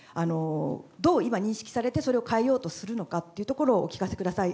どう今、認識されて、それを変えようとするのかというところをお聞かせください。